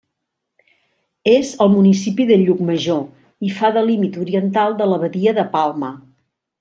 És al municipi de Llucmajor i fa de límit oriental de la badia de Palma.